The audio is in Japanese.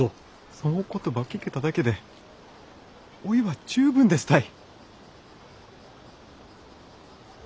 そんお言葉ば聞けただけでおいは十分ですたい！